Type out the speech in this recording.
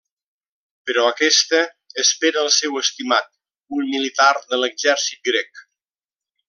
Però aquesta espera el seu estimat, un militar de l'exèrcit grec.